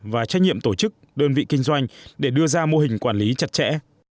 và trách nhiệm tổ chức đơn vị kinh doanh để đưa ra mô hình quản lý chặt chẽ